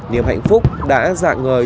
niềm hạnh phúc đã dạng ngời